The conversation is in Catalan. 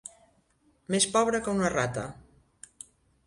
Més pobre que una rata.